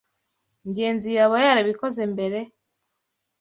Ngenzi yaba yarabikoze mbere?